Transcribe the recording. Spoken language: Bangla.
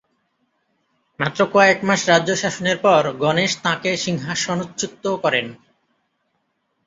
মাত্র কয়েক মাস রাজ্য শাসনের পর গণেশ তাঁকে সিংহাসনচ্যুত করেন।